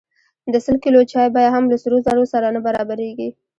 د سل کیلو چای بیه هم له سرو زرو سره نه برابریږي.